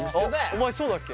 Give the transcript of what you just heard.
お前そうだっけ？